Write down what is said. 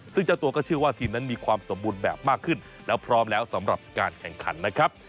ซึ่งเจ้าตัวก็เชื่อว่าทีมนั้นมีความสมบูรณ์แบบมากขึ้นแล้วพร้อมแล้วสำหรับการแข่งขันนะครับ